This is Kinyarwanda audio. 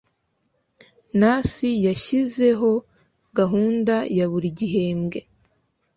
nurc yashyizeho gahunda ya buri gihembwe